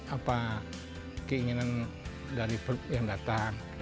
apa keinginan dari yang datang